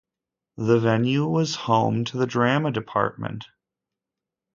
The venue was home to the Drama Dept.